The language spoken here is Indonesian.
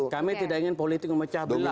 kami tidak ingin politik memecah belah